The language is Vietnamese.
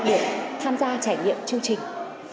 để tham gia trải nghiệm chương trình